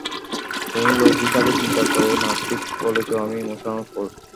তুমি লজিকালি চিন্তা করোনা -ঠিক বলেছো, আমি ইমোশনাল ফুল।